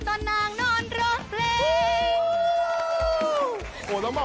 ตอนนางนอนเรียบร้อย